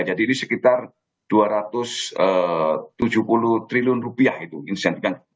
jadi ini sekitar rp dua ratus tujuh puluh triliun itu insentif